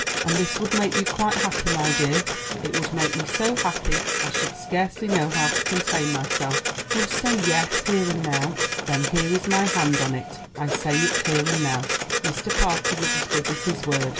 "And this would make you quite happy, my dear?" "It would make me so happy I should scarcely know how to contain myself. Oh say 'Yes,' here and now." "Then here is my hand on it; I say it here and now." Mr. Parker was as good as his word.